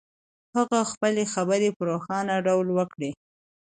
هغه خپلې خبرې په روښانه ډول وکړې.